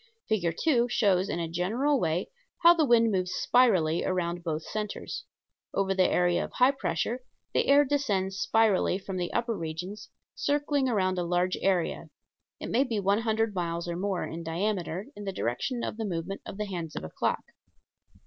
Fig. 2 shows in a general way how the wind moves spirally around both centers. Over the area of high pressure the air descends spirally from the upper regions, circling around a large area it may be one hundred miles or more in diameter in the direction of the movement of the hands of a clock.